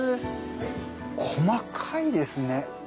細かいですね。